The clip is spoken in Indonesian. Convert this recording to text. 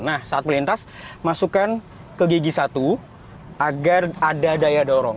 nah saat melintas masukkan ke gigi satu agar ada daya dorong